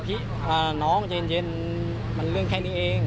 คุยกับเขาดีบอกพี่น้องเจนมันเรื่องแค่นี้เอง